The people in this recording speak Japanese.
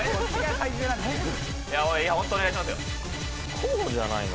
こうじゃないのかな？